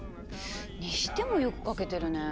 にしてもよく書けてるねえ。